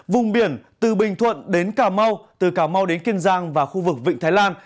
vùng biển từ bình thuận đến cà mau từ cà mau đến kiên giang và khu vực vịnh thái lan